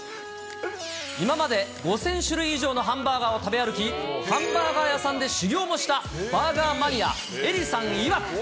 今まで５０００種類以上のハンバーガーを食べ歩き、ハンバーガー屋さんで修業もした、バーガーマニア、エリさんいわく。